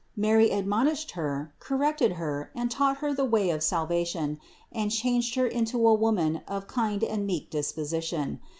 Mary admonished her, corrected her, and taught her the way of salvation, and changed her into a woman of kind and meek disposition.